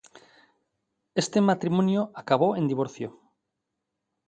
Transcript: Este matrimonio acabó en divorcio.